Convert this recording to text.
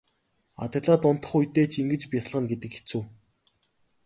Адаглаад унтах үедээ ч ингэж бясалгана гэдэг хэцүү.